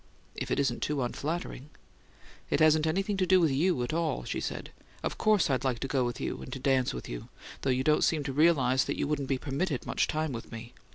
"If it isn't too unflattering." "It hasn't anything to do with you at all," she said. "Of course I'd like to go with you and to dance with you though you don't seem to realize that you wouldn't be permitted much time with me."